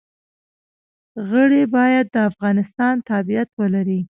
غړي باید د افغانستان تابعیت ولري.